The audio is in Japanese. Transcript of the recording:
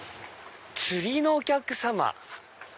「釣りのお客様」。